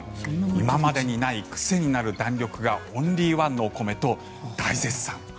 今までにない癖になる弾力がオンリーワンのお米と大絶賛。